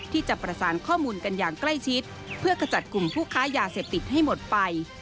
ที่จะประสานข้อมูลกันอย่างใกล้ชิดเพื่อขจัดกลุ่มผู้ค้ายาเสพติดให้หมดไป